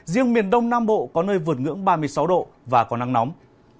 riêng miền đông nam bộ có nơi vượt ngưỡng ba mươi sáu độ và có nắng nóng